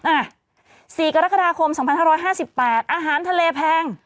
อ่ะ๔กรกฎาคม๒๕๕๘อาหารทะเลแพง